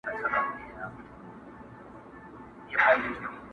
ته بې حسه غوندي پروت وې بوی دي نه کړمه هیڅکله،